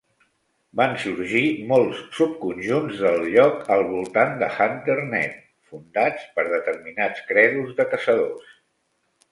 Van sorgir molts subconjunts del lloc al voltant de Hunter-net, fundats per determinats credos de caçadors.